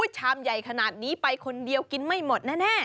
ชามใหญ่ขนาดนี้ไปคนเดียวกินไม่หมดแน่